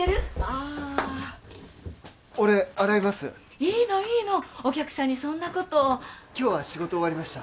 ああ俺洗いますいいのいいのお客さんにそんなこと今日は仕事終わりました